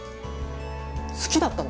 好きだったの！